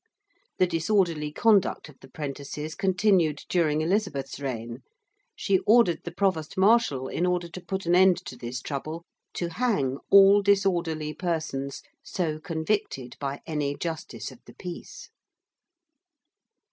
The disorderly conduct of the prentices continued during Elizabeth's reign, she ordered the Provost Marshal in order to put an end to this trouble, to hang all disorderly persons so convicted by any Justice of the Peace.